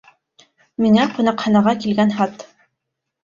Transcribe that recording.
Миңә ҡунаҡханаға килгән хат.